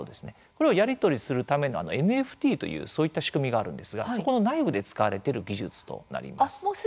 これをやり取りするためのＮＦＴという仕組みがあるんですが、そこの内部で使われている技術となります。